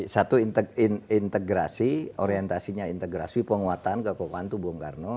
satu integrasi orientasinya integrasi penguatan kekokohan itu bung karno